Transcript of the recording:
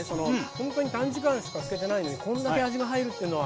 ほんとに短時間しか漬けてないのにこんだけ味が入るってのはいいですね。